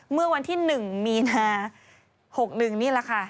เมื่อวันที่๑มีนา๖๑นี่แหละค่ะ